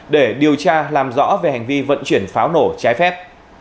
để điều tra làm rõ về hành vi vận chuyển pháo nổ trái phép